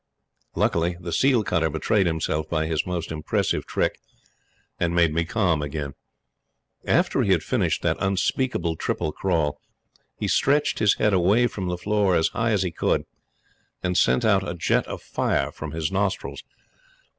Luckily, the seal cutter betrayed himself by his most impressive trick and made me calm again. After he had finished that unspeakable triple crawl, he stretched his head away from the floor as high as he could, and sent out a jet of fire from his nostrils.